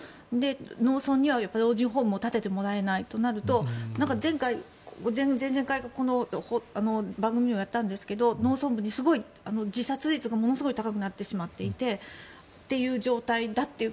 農村には老人ホームを建ててもらえないとなると前回か前々回この番組でもやったんですが農村部ですごい自殺率が高くなっていてという状態だという。